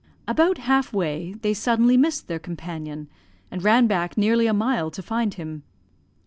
"About halfway they suddenly missed their companion, and ran back nearly a mile to find him.